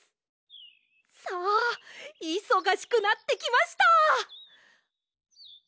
さあいそがしくなってきました！